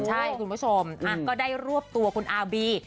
ใช่คุณผู้ชมก็ได้รวบตัวคุณอาบี